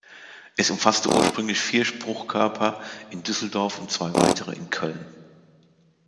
Es umfasste ursprünglich vier Spruchkörper in Düsseldorf und zwei weitere in Köln.